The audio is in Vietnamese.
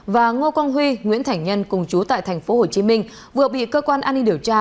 và ngô quang huy nguyễn thảnh nhân cùng chú tại thành phố hồ chí minh vừa bị cơ quan an ninh điều tra